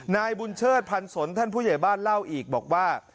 นายบุญเชิดพันสนท่านผู้ใหญ่บ้านเล่าอีกบอกว่า